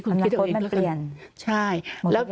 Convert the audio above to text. คุณคิดเอาเองแล้วกันมันเปลี่ยน